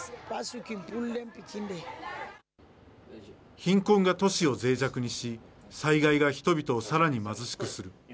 貧困が都市をぜい弱にし、災害が人々をさらに貧しくする。